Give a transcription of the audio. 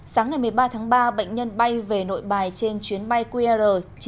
sáng ngày một mươi ba tháng ba bệnh nhân bay về nội bài trên chuyến bay qr chín trăm bảy mươi